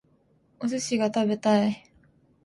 お寿司が食べたい